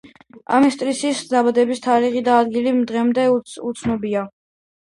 ამესტრისის დაბადების თარიღი და ადგილი დღემდე უცნობია.